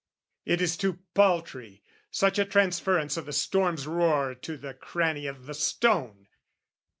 It is too paltry, such a transference O' the storm's roar to the cranny of the stone!